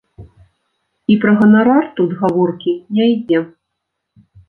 І пра ганарар тут гаворкі не ідзе.